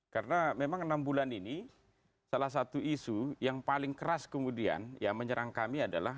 karena memang enam bulan ini salah satu isu yang paling keras kemudian yang menyerang kami adalah